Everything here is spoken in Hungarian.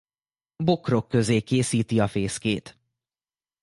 Bokrok közé készíti a fészkét.